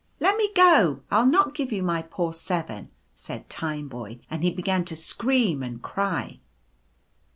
"Let me go. Fll not give you my poor Seven," said Tineboy, and he began to scream and cry.